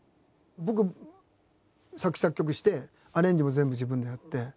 僕作詞作曲してアレンジも全部自分でやって。